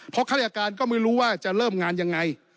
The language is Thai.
เพราะข้าราชการก็ไม่รู้ว่าจะเริ่มงานยังไง